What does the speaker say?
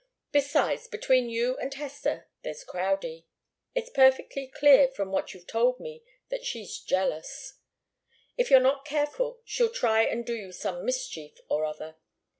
Besides, between you and Hester, there's Crowdie. It's perfectly clear from what you've told me that she's jealous. If you're not careful she'll try and do you some mischief or other.